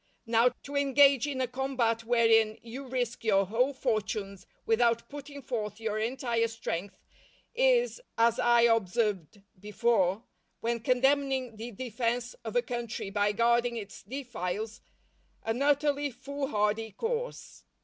Now, to engage in a combat wherein you risk your whole fortunes without putting forth your entire strength, is, as I observed before, when condemning the defence of a country by guarding its defiles, an utterly foolhardy course.